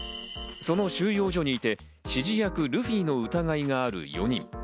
その収容所にいて、指示役・ルフィの疑いがある４人。